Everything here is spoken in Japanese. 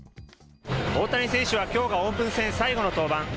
大谷選手はきょうがオープン戦最後の登板。